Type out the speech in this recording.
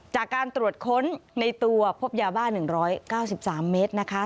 จากการตรวจค้นในตัวพบยาบ้า๑๙๓เมตรนะคะ